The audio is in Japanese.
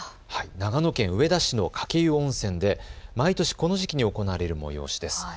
長野県上田市の鹿教湯温泉で毎年この時期に行われる催しです。